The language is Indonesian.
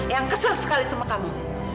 yang kesel sekali sama kamu